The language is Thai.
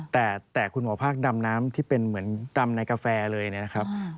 แต่คุณหมอภาคดำน้ำที่เป็นเหมือนตำในกาแฟเลยนะครับ